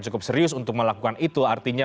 cukup serius untuk melakukan itu artinya